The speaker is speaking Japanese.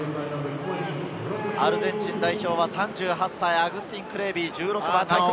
アルゼンチン代表は３８歳、アグスティン・クレービー、１６番。